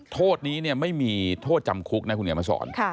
โทษนี้ไม่มีโทษจำคุกนะคุณเขียนมาสอน